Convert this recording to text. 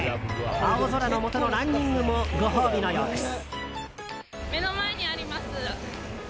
青空のもとのランニングもご褒美のようです。